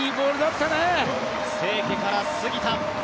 清家から杉田。